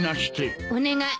お願い